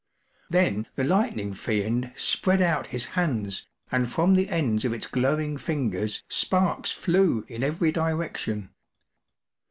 ” Then the Lightning Fiend spread out his hands, and from the ends of its glowing fingers sparks flew in every direction.